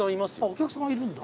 お客さんいるんだ。